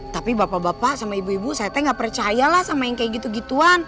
tapi bapak bapak sama ibu ibu saya nggak percaya lah sama yang kayak gitu gituan